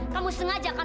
kamu sengaja akan